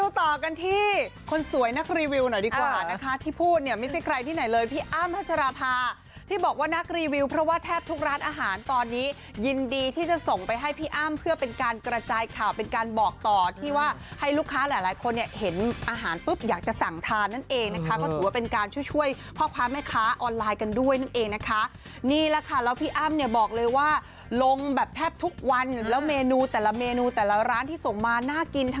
ต่อกันที่คนสวยนักรีวิวหน่อยดีกว่านะคะที่พูดเนี่ยไม่ใช่ใครที่ไหนเลยพี่อ้ามภาชาภาที่บอกว่านักรีวิวเพราะว่าแทบทุกร้านอาหารตอนนี้ยินดีที่จะส่งไปให้พี่อ้ามเพื่อเป็นการกระจายข่าวเป็นการบอกต่อที่ว่าให้ลูกค้าหลายคนเนี่ยเห็นอาหารปุ๊บอยากจะสั่งทานั่นเองนะคะก็ถูกว่าเป็นการช่วยช่วยข้อความให้ค้าออนไ